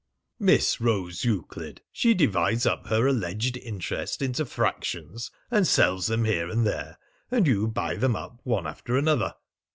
"Miss Rose Euclid. She divides up her alleged interest into fractions and sells them here and there, and you buy them up one after another."